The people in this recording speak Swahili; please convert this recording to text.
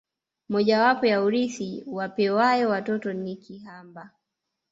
Mojawapo ya urithi wapewayo watoto ni kihamba